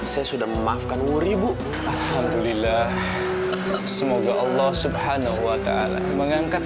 saya sudah memaafkan wuri bu alhamdulillah semoga allah subhanahu wa ta'ala mengangkat